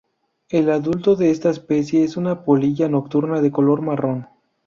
El adulto de esta especie es una polilla nocturna de color marrón.